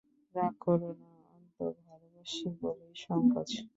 রাগ করো না অন্তু, ভালোবাসি বলেই সংকোচ।